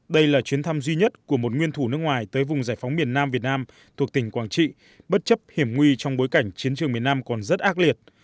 đây là chuyến thăm duy nhất của một nguyên thủ nước ngoài tới vùng giải phóng miền nam việt nam thuộc tỉnh quảng trị bất chấp hiểm nguy trong bối cảnh chiến trường miền nam còn rất ác liệt